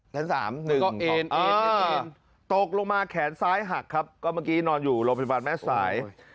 เอ็นเอ็นตกลงมาแขนซ้ายหักครับก็เมื่อกี้นอนอยู่โรงพยาบาลแม่สาย